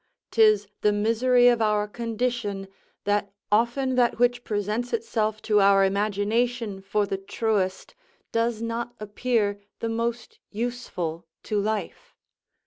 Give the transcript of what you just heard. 'Tis the misery of our condition that often that which presents itself to our imagination for the truest does not appear the most useful to life.